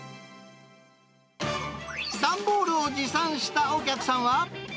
段ボールを持参したお客さんは。